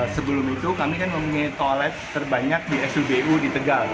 sebelum itu kami kan memiliki toilet terbanyak di spbu di tegal